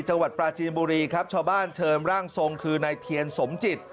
จังหวัดปราจีนบุรีครับชาวบ้านเชิญร่างทรงคือนายเทียนสมจิต